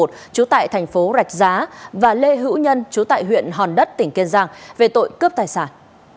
trú tại thành phố rạch giá và lê hữu nhân chú tại huyện hòn đất tỉnh kiên giang về tội cướp tài sản